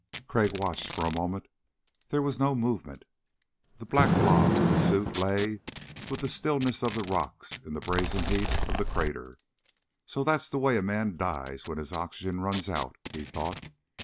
Crag watched for a moment. There was no movement. The black blob of the suit lay with the stillness of the rocks in the brazen heat of the crater. So that's the way a man dies when his oxygen runs out, he thought.